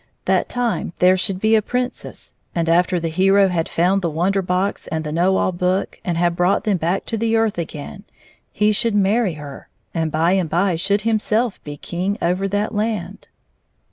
That time there should be a princess, and after the hero had found the Won der Box and the Kjiow A11 Book and had brought them back to the earth again, he should marry her, and by and by should himself be king over that land.